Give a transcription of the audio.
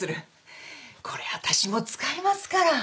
これわたしも使いますから。